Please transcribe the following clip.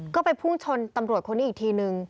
ก็ไปพุ่งชนตำรวจคนนี้อีกทีนึง